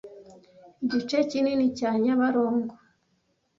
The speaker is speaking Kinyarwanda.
Igice kinini cya nyabarongo